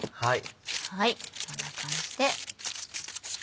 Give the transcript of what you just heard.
こんな感じで。